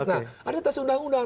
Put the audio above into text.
nah ada tas undang undang